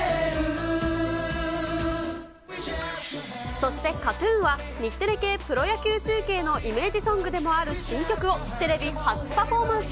そしてＫＡＴーＴＵＮは、日テレ系プロ野球中継のイメージソングでもある新曲をテレビ初パフォーマンス。